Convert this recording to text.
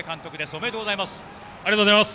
ありがとうございます。